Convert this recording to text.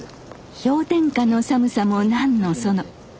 氷点下の寒さも何のその。